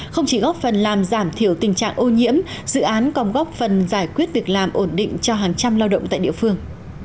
không chỉ góp phần làm giảm thiểu tình trạng ô nhiễm dự án còn góp phần giải quyết việc làm ổn định cho hàng trăm lao động tại địa phương